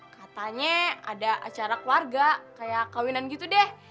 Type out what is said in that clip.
katanya ada acara keluarga kayak kawinan gitu deh